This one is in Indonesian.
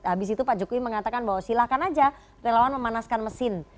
habis itu pak jokowi mengatakan bahwa silahkan aja relawan memanaskan mesin